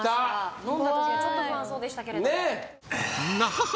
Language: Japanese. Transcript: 飲んだときはちょっと不安そうでしたけれどもなはは